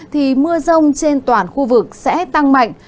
thì mưa rông trên toàn khu vực sẽ tăng mạnh